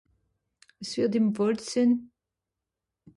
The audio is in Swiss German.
Sie hàt ìm Wàld gsehn.